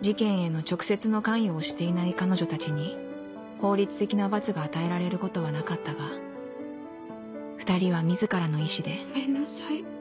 事件への直接の関与をしていない彼女たちに法律的な罰が与えられることはなかったが２人は自らの意志でごめんなさい。